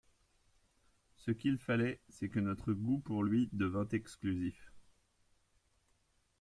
Ce qu’il fallait, c’est que notre goût pour lui devint exclusif.